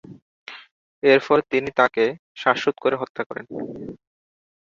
এরপর তিনি তাঁকে শ্বাসরোধ করে হত্যা করেন।